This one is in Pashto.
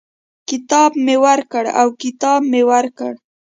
کتاب مي ورکړ او کتاب مې ورکړ.